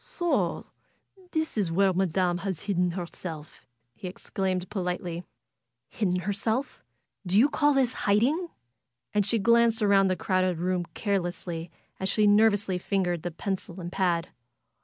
^^So this is where Madam has hidden herself !" he ex claimed, politely. Hidden herself! Do you call this hiding?" And she glanced around the crowded room carelessly as she nervously fingered the pencil and pad.